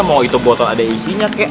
mau itu botol ada isinya kek